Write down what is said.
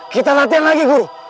kita latihan lagi guru